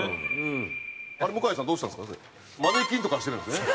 マネキンと化してるんですね。